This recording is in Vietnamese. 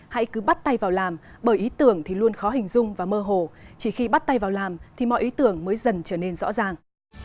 hãy cứ bắt tay vào làm bởi ý tưởng thì luôn khó hình dung và mơ hồ chỉ khi bắt tay vào làm thì mọi ý tưởng mới dần trở nên rõ ràng